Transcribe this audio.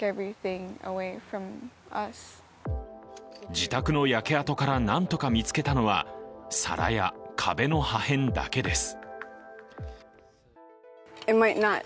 自宅の焼け跡からなんとか見つけたのは皿や壁の破片だけです。